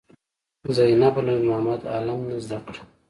زینبه له نورمحمد عالم نه زده کړه.